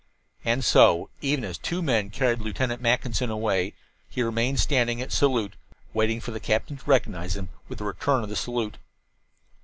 And so, even as two men carried Lieutenant Mackinson away, he remained standing at salute, waiting for the captain to recognize him with a return of the salute.